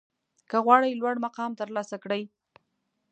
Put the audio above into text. که غواړئ لوړ مقام ترلاسه کړئ